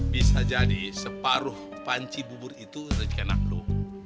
bisa jadi separuh panci bubur itu rezeki anak lo